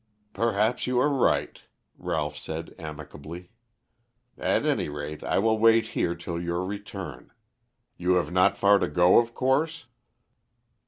"Perhaps you are right," Ralph said amicably. "At any rate I will wait here till your return. You have not far to go, of course?"